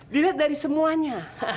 diliat dari semuanya